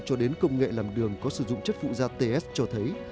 cho đến công nghệ làm đường có sử dụng chất phụ da ts cho thấy